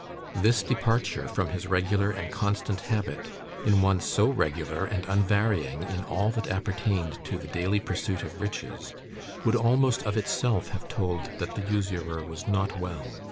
This departure from his regular and constant habit, in one so regular and unvarying in all that appertained to the daily pursuit of riches, would almost of itself have told that the usurer was not well.